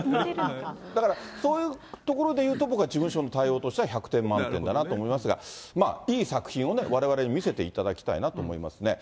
だから、そういうところでいうと、事務所の対応としては百点満点だなと思いますが、まあ、いい作品をわれわれに見せていただきたいなと思いますね。